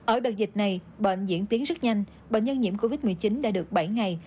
ở đợt dịch này bệnh diễn tiến rất nhanh bệnh nhân nhiễm covid một mươi chín đã được bảy ngày